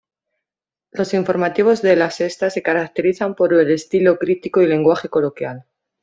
Los informativos de La Sexta se caracterizan por un estilo crítico y lenguaje coloquial.